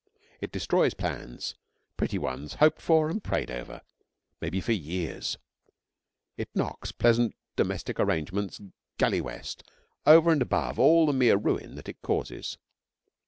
It destroys plans, pretty ones hoped for and prayed over, maybe for years; it knocks pleasant domestic arrangements galleywest over and above all the mere ruin that it causes.